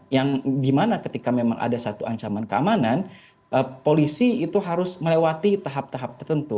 yang dimana ketika memang ada satu ancaman keamanan polisi itu harus melewati tahap tahap tertentu